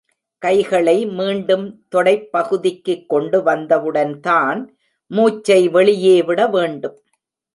கைகளை மீண்டும் தொடைப் பகுதிக்குக் கொண்டு வந்தவுடன்தான், மூச்சை வெளியே விட வேண்டும்.